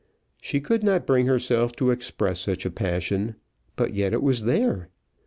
She could not bring herself to express such a passion; but yet it was there.